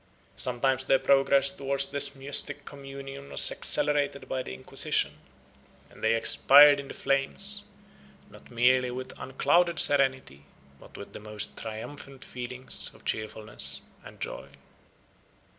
Sometimes their progress towards this mystic communion was accelerated by the Inquisition, and they expired in the flames, not merely with unclouded serenity, but with the most triumphant feelings of cheerfulness and joy.